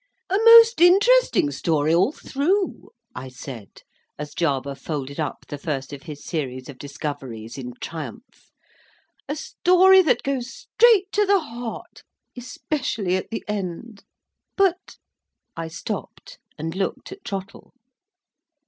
"A most interesting story, all through," I said, as Jarber folded up the first of his series of discoveries in triumph. "A story that goes straight to the heart—especially at the end. But"—I stopped, and looked at Trottle.